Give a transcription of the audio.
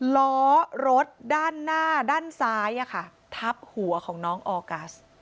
ล้อรถด้านหน้าด้านซ้ายทับหัวของน้องออกัส